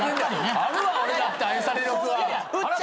あるわ俺だって愛され力は。